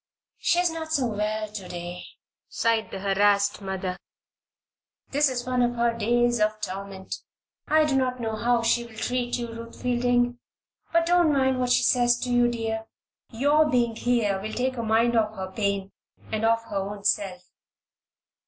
"She is not so well to day," sighed the harassed mother. "This is one of her days of torment. I do not know how she will treat you, Ruth Fielding; but don't mind what she says to you, dear. Your being here will take her mind off her pain and off her own self."